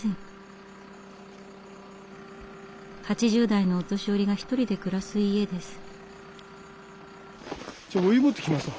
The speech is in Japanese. ８０代のお年寄りが１人で暮らす家です。